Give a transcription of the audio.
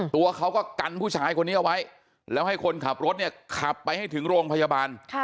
ตัวเขาก็กันผู้ชายคนนี้เอาไว้แล้วให้คนขับรถเนี่ยขับไปให้ถึงโรงพยาบาล